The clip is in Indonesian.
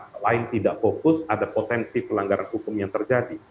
selain tidak fokus ada potensi pelanggaran hukum yang terjadi